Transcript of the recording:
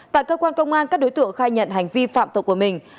tại cơ quan công an các đối tượng khai nhận hành vi phạm tội của mình